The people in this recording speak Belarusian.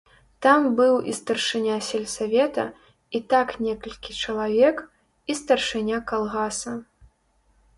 Там быў і старшыня сельсавета, і так некалькі чалавек, і старшыня калгаса.